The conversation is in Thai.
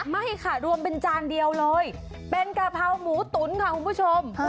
ไม่ค่ะรวมเป็นจานเดียวเลยเป็นกะเพราหมูตุ๋นค่ะคุณผู้ชม